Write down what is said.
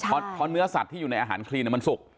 เพราะเนื้อสัตว์ที่อยู่ในอาหารคลีนมันสุก